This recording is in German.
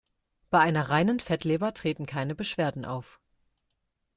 Bei einer reinen Fettleber treten keine Beschwerden auf.